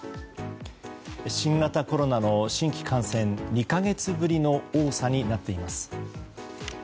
新型コロナの新規感染２か月ぶりの多さになっています。